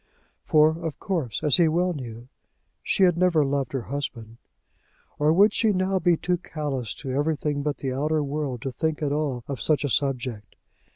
for, of course, as he well knew, she had never loved her husband. Or would she now be too callous to everything but the outer world to think at all of such a subject?